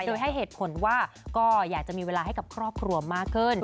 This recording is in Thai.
โดยให้เหตุผลว่าก็อยากจะมีเวลาให้กับครอบครัวมากขึ้น